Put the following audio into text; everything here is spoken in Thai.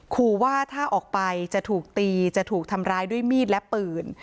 ขอว่าถ้าออกไปจะถูกตีจะถูกทำร้ายด้วยมีดและปืน